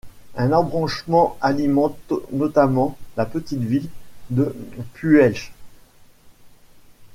Un embranchement alimente notamment la petite ville de Puelches.